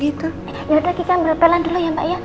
kita ya kita berpelan dulu ya pak ya